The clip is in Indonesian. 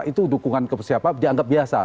itu dukungan ke siapa dianggap biasa